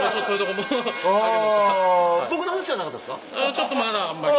ちょっとまだあんまり。